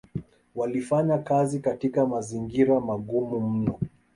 walifanya kazi katika mazingira magumu mno